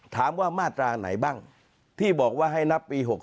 ถามว่ามาตราไหนบ้างที่บอกว่าให้นับปี๖๒